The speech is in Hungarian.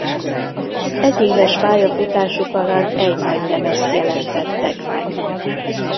Egy éves pályafutásuk alatt egy nagylemezt jelentettek meg.